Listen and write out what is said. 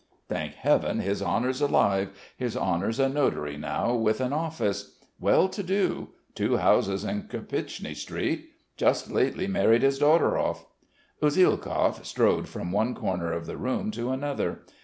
"Thank heaven, his honour's alive. His honour's a notary now, with an office. Well to do. Two houses in Kirpichny Street. Just lately married his daughter off." Usielkov strode from one corner of the room to another.